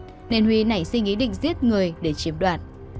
huy có nhiều thay đổi nên huy nảy suy nghĩ định giết người để chiếm đoạt